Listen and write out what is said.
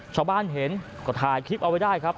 ชาวบ้านเห็นก็ถ่ายคลิปเอาไว้ได้ครับ